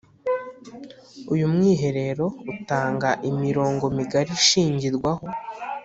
Uyu Mwiherero utanga imirongo migari ishingirwaho